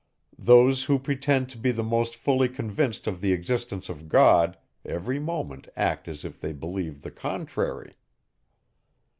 Those, who pretend to be the most fully convinced of the existence of God, every moment act as if they believed the contrary.